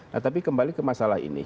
nah tapi kembali ke masalah ini